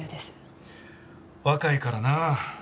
若いからなあ。